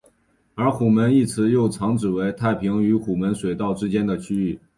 而虎门一词又常指太平与虎门水道之间的区域。